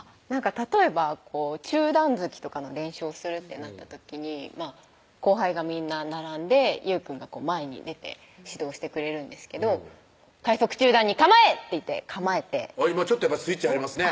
例えば中段突きとかの練習をするってなった時に後輩がみんな並んで優くんが前に出て指導してくれるんですけど「開足中段に構え！」って言って構えて今やっぱりスイッチ入りますね